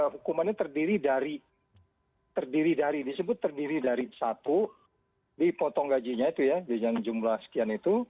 hukumannya terdiri dari terdiri dari disebut terdiri dari satu dipotong gajinya itu ya dengan jumlah sekian itu